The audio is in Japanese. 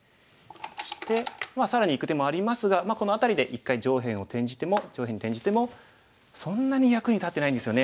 そしてまあ更にいく手もありますがこの辺りで一回上辺に転じてもそんなに役に立ってないんですよね。